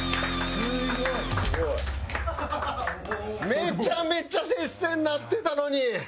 めちゃめちゃ接戦になってたのに。